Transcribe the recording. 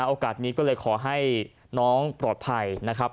โอกาสนี้ก็เลยขอให้น้องปลอดภัยนะครับ